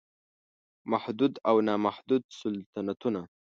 محدود او نا محدود سلطنتونه